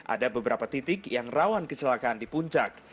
ada beberapa titik yang rawan kecelakaan di puncak